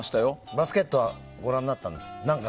バスケットはご覧になったんですか？